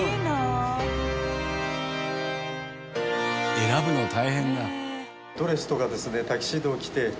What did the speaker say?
選ぶの大変だ。